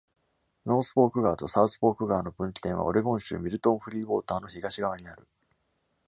ノースフォーク川とサウスフォーク川の分岐点はオレゴン州ミルトン・フリーウォーターの東側にある。